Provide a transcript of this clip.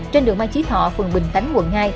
trên đường mai trí thọ phường bình thánh quận hai